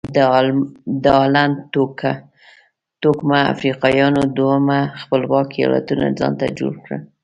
د هالنډ توکمه افریقایانو دوه خپلواک ایالتونه ځانته جوړ کړل.